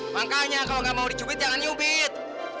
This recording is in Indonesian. makanya kalau nggak mau di jubit jangan nyubit